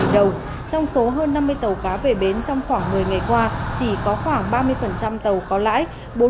trong số hơn năm mươi tàu cá về bến trong khoảng một mươi ngày qua chỉ có khoảng ba mươi tàu có lãi